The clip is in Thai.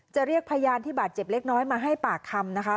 เรียกพยานที่บาดเจ็บเล็กน้อยมาให้ปากคำนะคะ